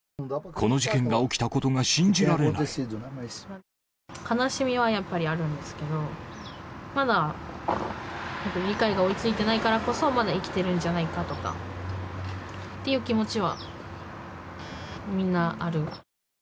この事件が起きたことが信じられ悲しみはやっぱりあるんですけど、まだ理解が追いついてないからこそ、まだ生きてるんじゃないかとかっていう気持ちはみんなある。